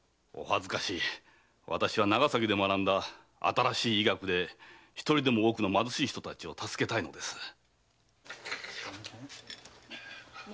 お恥ずかしい私は長崎で学んだ新しい医学で一人でも多くの貧しい人たちを助けたいのです。